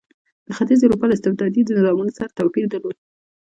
د ختیځې اروپا له استبدادي نظامونو سره توپیر درلود.